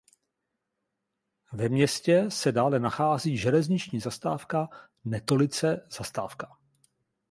Ve městě se dále nachází železniční zastávka "Netolice zastávka".